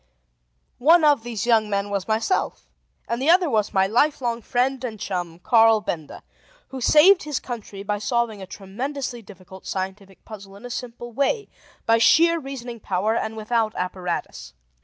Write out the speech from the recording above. One of these young men was myself, and the other was my lifelong friend and chum, Carl Benda, who saved his country by solving a tremendously difficult scientific puzzle in a simple way, by sheer reasoning power, and without apparatus.